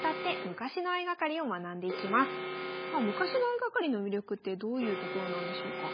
昔の相掛かりの魅力ってどういうところなんでしょうか？